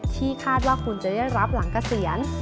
ที่คาดว่าคุณจะได้รับหลังเกษียณ